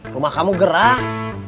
rumah kamu gerak